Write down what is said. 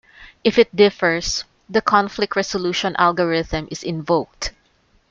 If it differs, the conflict resolution algorithm is invoked.